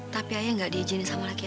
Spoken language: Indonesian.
tapi ayah gak diizini sama laki ayah